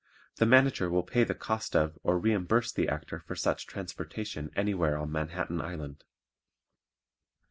The Manager will pay the cost of or reimburse the Actor for such transportation anywhere on Manhattan Island.